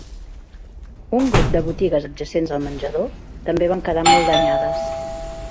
Un grup de botigues adjacents al menjador també van quedar molt danyades.